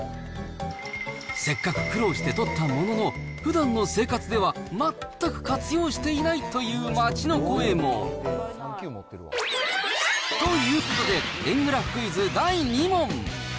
せっかく苦労して取ったものの、ふだんの生活では全く活用していないという街の声も。ということで、円グラフクイズ第２問。